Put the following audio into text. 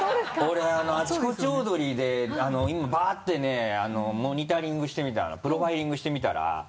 俺「あちこちオードリー」で今バッてねモニタリングしてみたの。プロファイリングしてみたら。